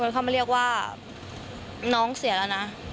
เข้ามาเรียกว่าน้องเสียแล้วนะ